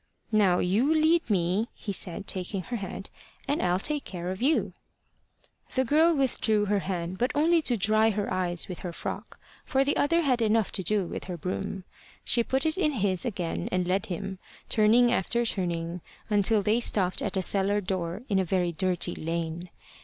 "Now you lead me," he said, taking her hand, "and I'll take care of you." The girl withdrew her hand, but only to dry her eyes with her frock, for the other had enough to do with her broom. She put it in his again, and led him, turning after turning, until they stopped at a cellar door in a very dirty lane.